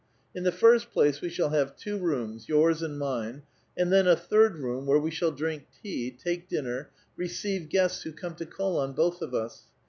In the lirst place, we shall have two rooms, yours and mine, and theu a third room where we shall drink tea, take dinner, receive guests who come to call on both of us